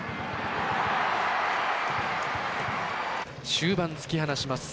終盤、突き放します。